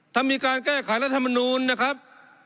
ถ้ามีการแก้ไขรัฐมนูลนะครับ